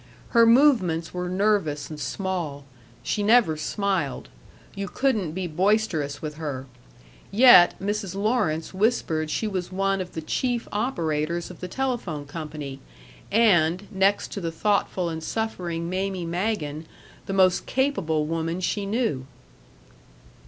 Her movements were nervous and small; she never smiled; you couldn't be boisterous with her. Yet, Mrs. Lawrence whispered she was one of the chief operators of the telephone company, and, next to the thoughtful and suffering Mamie Magen, the most capable woman she knew.